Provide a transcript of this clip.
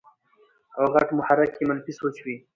او غټ محرک ئې منفي سوچ وي -